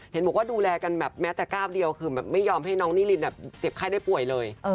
เห็นบอกว่าดูแลกันแบบแม้แต่ก้าวเดียวคือแบบไม่ยอมให้น้องนิรินแบบเจ็บไข้ได้ป่วยเลย